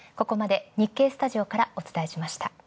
ここまで日経スタジオからお送りしました。